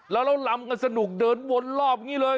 แล้วเราลำกันสนุกเดินวนรอบอย่างนี้เลย